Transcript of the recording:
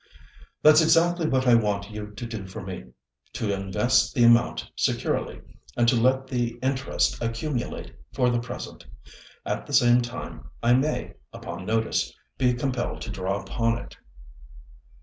"That's exactly what I want you to do for me. To invest the amount securely, and to let the interest accumulate for the present. At the same time, I may, upon notice, be compelled to draw upon it."